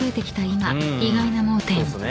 今意外な盲点］